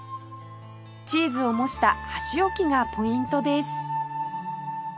チーズを模した箸置きがポイントです